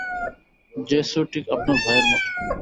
জেসও ঠিক আপনার ভাইয়ের মতো।